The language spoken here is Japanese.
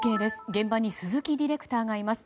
現場に鈴木ディレクターがいます。